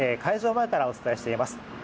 前からお伝えしています。